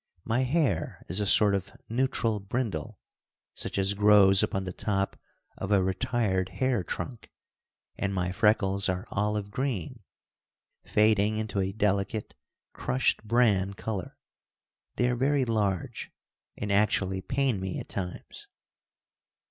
My hair is a sort of neutral brindle, such as grows upon the top of a retired hair trunk, and my freckles are olive green, fading into a delicate, crushed bran color. They are very large, and actually pain me at times.